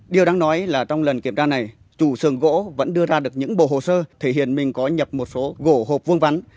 điều đáng nói là trong lần kiểm tra này chủ sườn gỗ vẫn đưa ra được những bộ hồ sơ thể hiện mình có nhập một số gỗ hộp vuông vắn